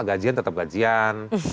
gajian tetap gajian